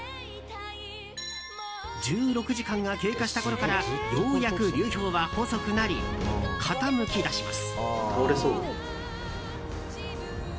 １６時間が経過したころからようやく流氷は細くなり傾き出します。